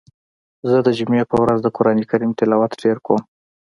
زه د جمعی په ورځ د قرآن کریم تلاوت ډیر کوم.